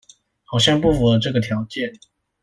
好像不符合這個條件